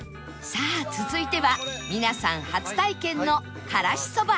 さあ続いては皆さん初体験のからしそば